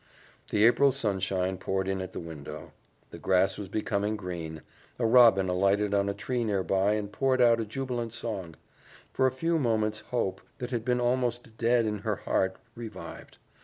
The April sunshine poured in at the window; the grass was becoming green; a robin alighted on a tree nearby and poured out a jubilant song. For a few moments hope, that had been almost dead in her heart, revived.